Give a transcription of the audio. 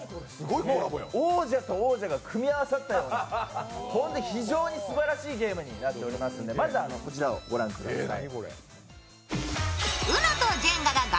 王者と王者が組み合わさったような非常にすばらしいゲームになっておりますのでまずは、こちらをご覧ください。